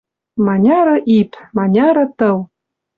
Маняры ип, маняры тыл!